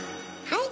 はい。